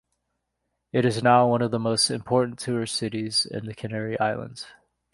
It is now one of the most important tourist cities in the Canary Islands.